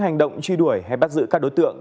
hành động truy đuổi hay bắt giữ các đối tượng